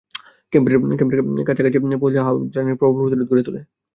ক্যাম্পের কাছা-কাছি পৌঁছলে হাওয়াযিনরা প্রবল প্রতিরোধ গড়ে তোলে।